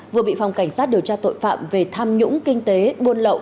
vừa bị phòng cảnh sát điều tra tội phạm về tham nhũng kinh tế buôn lậu